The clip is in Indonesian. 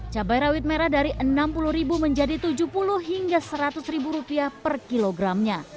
cabai rawit merah dari rp enam puluh menjadi rp tujuh puluh hingga rp seratus per kilogramnya